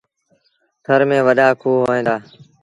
ٿر ميݩ وڏآ کوه هوئيݩ دآ۔